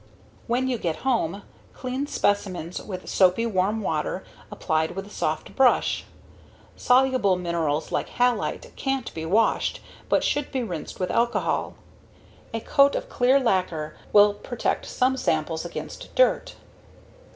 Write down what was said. When you get home, clean specimens with soapy, warm water, applied with a soft brush. Soluble minerals like halite can't be washed, but should be rinsed with alcohol. A coat of clear lacquer will protect some samples against dirt.